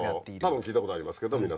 多分聞いたことありますけど皆さん。